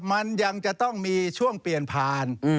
มันยังจะต้องมีช่วงเปลี่ยนผ่าน